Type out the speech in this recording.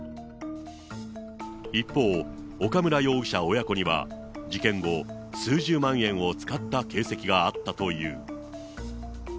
一方、岡村容疑者親子には事件後、数十万円を使った形跡があったという。